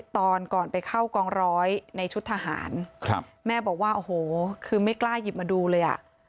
ตอนก่อนไปเข้ากองร้อยในชุดทหารแม่บอกว่าโอ้โหคือไม่กล้าหยิบมาดูเลยอ่ะ